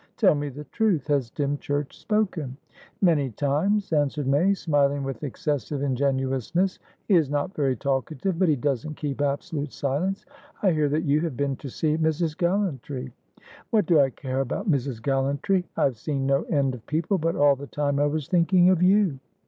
"Tell me the truth. Has Dymchurch spoken?" "Many times," answered May; smiling with excessive ingenuousness. "He is not very talkative, but he doesn't keep absolute silenceI hear that you have been to see Mrs. Gallantry." "What do I care about Mrs. Gallantry! I've seen no end of people, but all the time I was thinking of you.